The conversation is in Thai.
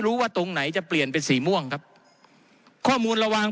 ว่าตรงไหนจะเปลี่ยนเป็นสีม่วงครับข้อมูลระหว่าง